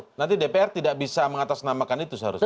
jadi nanti dpr tidak bisa mengatasnamakan itu seharusnya